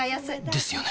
ですよね